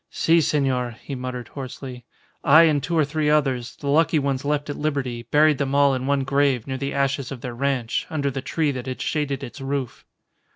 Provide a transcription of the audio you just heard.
"Si, senor," he muttered, hoarsely, "I and two or three others, the lucky ones left at liberty, buried them all in one grave near the ashes of their ranch, under the tree that had shaded its roof."